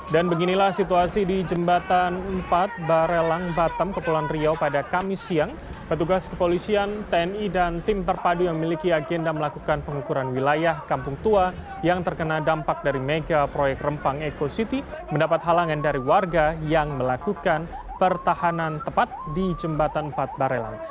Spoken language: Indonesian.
dan beginilah situasi di jembatan empat barelang batam kepulauan riau pada kamis siang petugas kepolisian tni dan tim terpadu yang memiliki agenda melakukan pengukuran wilayah kampung tua yang terkena dampak dari mega proyek rempang eco city mendapat halangan dari warga yang melakukan pertahanan tepat di jembatan empat barelang